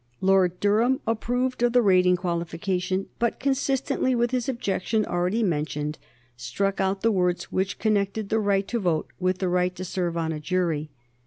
Lord Durham approved of the rating qualification, but, consistently with his objection already mentioned, struck out the words which connected the right to vote with the right to serve on a jury.